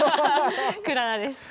クララです。